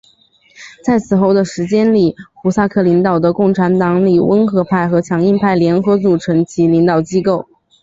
在此后的时间里胡萨克领导的共产党里温和派和强硬派联合组成其领导机构。